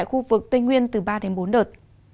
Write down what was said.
khu vực tây nguyên ba đến bốn đợt